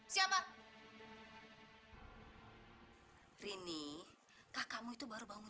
siapa yang suruh kamu